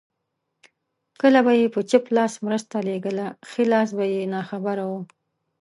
که به يې په چپ لاس مرسته لېږله ښی لاس به يې ناخبره و.